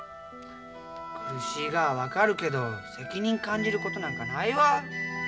苦しいがは分かるけど責任感じることなんかないわ。